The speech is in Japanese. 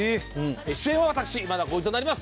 主演は私今田耕司となります。